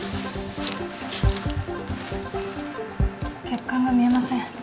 血管が見えません。